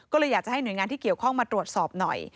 ก็เลยอยากจะให้หน่วยงานที่เกี่ยวข้องมาตรวจสอบหน่อย